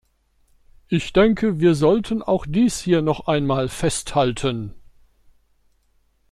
Ich denke, wir sollten auch dies hier noch einmal festhalten.